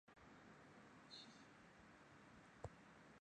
是由一群想尽快破关并回到现实世界的人组成。